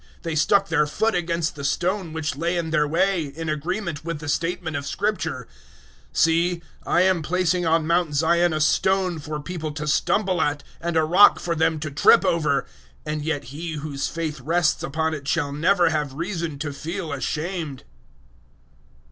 They stuck their foot against the stone which lay in their way; 009:033 in agreement with the statement of Scripture, "See, I am placing on Mount Zion a stone for people to stumble at, and a rock for them to trip over, and yet he whose faith rests upon it shall never have reason to feel ashamed."